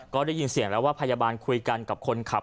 ก็ได้ยินเสียงแล้วว่าพยาบาลคุยกันกับคนขับ